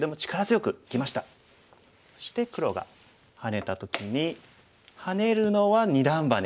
そして黒がハネた時にハネるのは二段バネ。